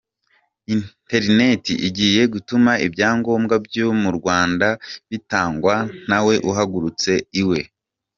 Interinete igiye gutuma ibyangombwa byo mu Rwanda bitangwa ntawe uhagurutse iwe